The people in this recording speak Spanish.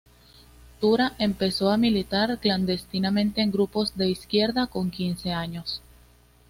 Tura empezó a militar clandestinamente en grupos de izquierda con quince años.